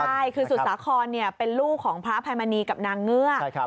ใช่คือสุสาครเป็นลูกของพระอภัยมณีกับนางเงือก